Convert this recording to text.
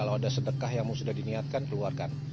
udah sedekah yang sudah diniatkan keluarkan